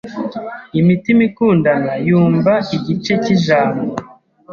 Imitima ikundana yumva igice cyijambo